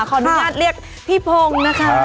ขออนุญาตเรียกพี่พงศ์นะคะ